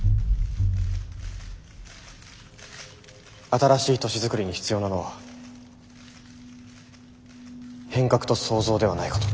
新しい都市づくりに必要なのは変革と創造ではないかと。